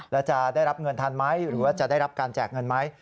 แล้วจะได้รับเงินทันไหมหรือว่าจะได้รับการแจกเงินไหม